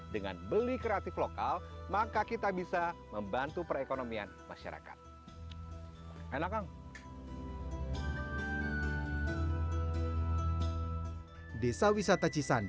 dengan beli kreatif lokal maka kita bisa membantu perekonomian masyarakat